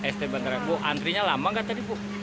sd batarga bu antrinya lama nggak tadi bu